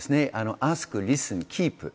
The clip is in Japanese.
アスク、リッスン、キープ。